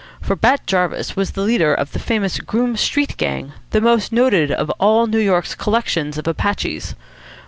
For Bat Jarvis was the leader of the famous Groome Street Gang, the most noted of all New York's collections of Apaches.